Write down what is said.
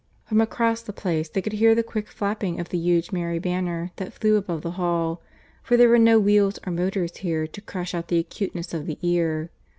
From across the Place they could hear the quick flapping of the huge Mary banner that flew above the hall, for there were no wheels or motors here to crush out the acuteness of the ear.